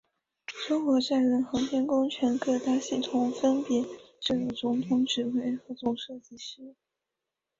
中国载人航天工程各大系统分别设有总指挥和总设计师。